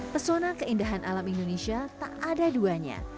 pesona keindahan alam indonesia tak ada duanya